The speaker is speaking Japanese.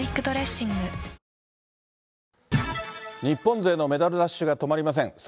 日本勢のメダルラッシュが止まりません。